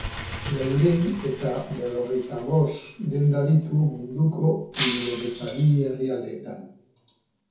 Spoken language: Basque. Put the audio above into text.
Laurehun eta berrogeita bost denda ditu munduko hirurogeita bi herrialdetan.